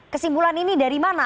kesimpulan ini dari mana